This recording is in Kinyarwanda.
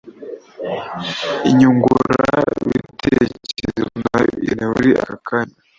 Inyungura bitekerezo nayo irakenewe muri aka kanya